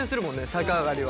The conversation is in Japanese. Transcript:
逆上がりは。